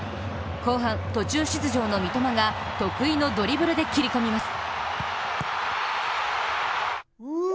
後半、途中出場の三笘が得意のドリブルで切り込みます。